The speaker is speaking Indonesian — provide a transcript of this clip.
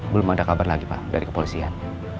belum ada kabar lagi pak dari kepolisian